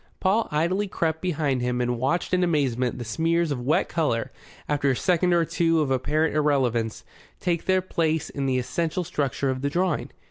Paul idly crept behind him and watched in amazement the smears of wet colour, after a second or two of apparent irrelevance, take their place in the essential structure of the drawing.